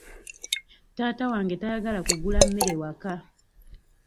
Taata wange tayagala kugula mmere waka.